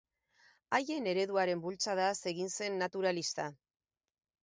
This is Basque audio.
Haien ereduaren bultzadaz egin zen naturalista.